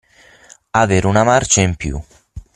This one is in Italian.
Avere una marcia in più.